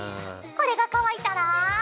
これが乾いたら。